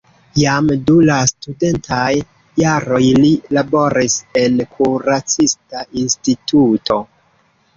Jam dum la studentaj jaroj li laboris en kuracista instituto.